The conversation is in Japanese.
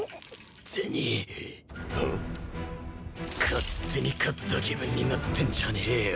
勝手に勝った気分になってんじゃねえよ。